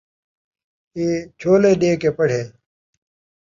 اے چھولے ݙے کے پڑھے